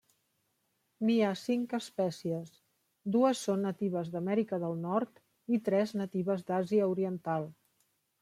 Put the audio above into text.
N'hi ha cinc espècies, dues són natives d'Amèrica del Nord i tres natives d'Àsia oriental.